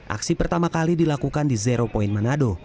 aksi pertama kali dilakukan di zero point manado